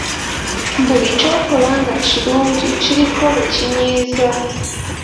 Buli ky’okola nga kirungi kiriko be kinyiiza.